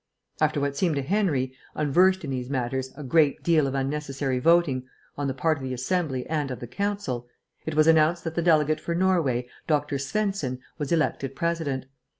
After what seemed to Henry, unversed in these matters, a great deal of unnecessary voting on the part of the Assembly and of the Council, it was announced that the delegate for Norway, Dr. Svensen, was elected President.